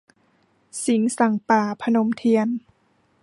สิงห์สั่งป่า - พนมเทียน